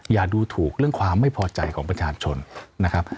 อย่าดูถูกเรื่องความไม่พอใจของประชาชนนะครับ